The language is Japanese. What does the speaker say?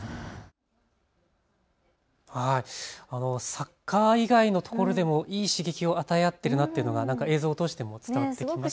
サッカー以外のところでもいい刺激を与え合っているなというのが映像を通して伝わってきましたね。